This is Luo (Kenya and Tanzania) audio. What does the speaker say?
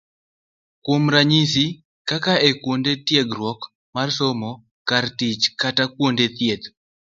Kuom ranyisi, kaka e kuonde tiegruok mar somo, kar tich kata kuonde thieth.